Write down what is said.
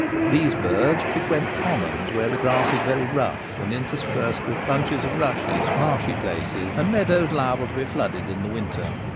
These birds frequent commons where the grass is very rough, and interspersed with bunches of rushes, marshy places, and meadows liable to be flooded in the winter.